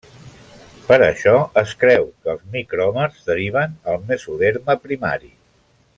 Per això es creu que els micròmers deriven al mesoderma primari.